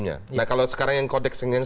nah kalau sekarang yang kodeksnya